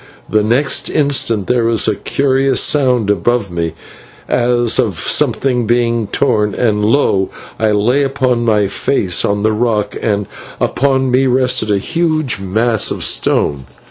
The next instant there was a curious sound above me as of something being torn, and, lo! I lay upon my face on the rock, and upon me rested a huge mass of stone.